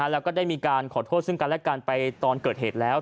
แล้วก็ได้มีการขอโทษซึ่งกันและกันไปตอนเกิดเหตุแล้ว